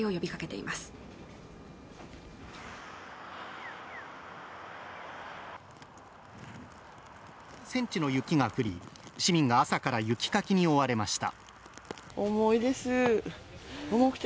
１９センチの雪が降り市民が朝から雪かきに追われました